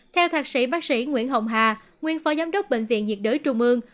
theo thạc sĩ bác sĩ nguyễn hồng hà nguyên phó giám đốc bệnh viện nhiệt đới trung ương